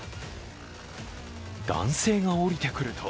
男性が降りてくると